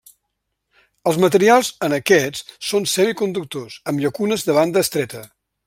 Els materials en aquests són semiconductors amb llacunes de banda estreta.